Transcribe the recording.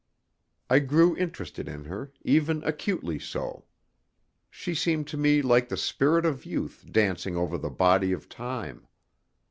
I grew interested in her, even acutely so. She seemed to me like the spirit of youth dancing over the body of Time.